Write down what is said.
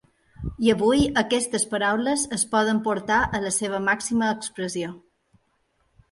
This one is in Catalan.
I avui aquestes paraules es poden portar a la seva màxima expressió.